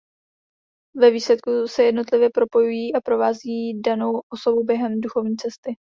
Ve výsledku se jednotlivě propojují a provází danou osobu během duchovní cesty.